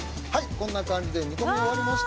こんな感じで煮込み終わりました。